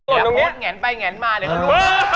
อย่าพูดแหงนไปแหงนมาเลยครับลูก